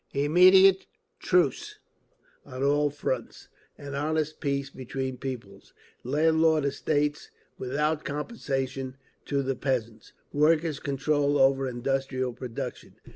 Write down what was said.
Immediate truce on all fronts. An honest peace between peoples. Landlord estates—without compensation—to the peasants. Workers' control over industrial production.